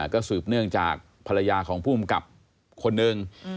ก็สืบเนื่องจากภรรยาของภูมิกับคนหนึ่ง